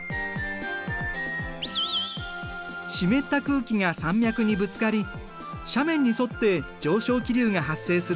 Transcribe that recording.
湿った空気が山脈にぶつかり斜面に沿って上昇気流が発生する。